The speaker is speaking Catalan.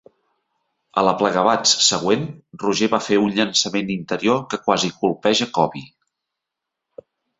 A l'aplegabats següent, Roger va fer un llançament interior que quasi colpeja Koby.